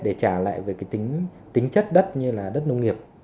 để trả lại về cái tính chất đất như là đất nông nghiệp